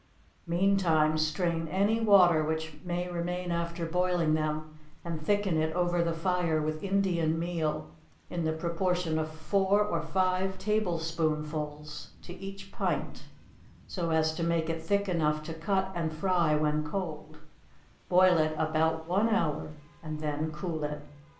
Meantime strain any water which may remain after boiling them, and thicken it over the fire with Indian meal, in the proportion of four or five tablespoonfuls to each pint, so as to make it thick enough to cut and fry when cold; boil it about one hour, and then cool it.